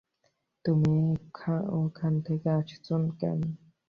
তুমি ওখান থেকে আসছো কেন?